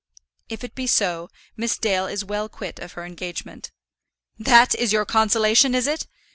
"If it be so, Miss Dale is well quit of her engagement." "That is your consolation, is it?